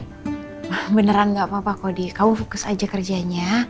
gak apa apa kodi kamu fokus aja kerjanya